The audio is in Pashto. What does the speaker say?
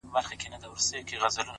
دلته اوسم ـ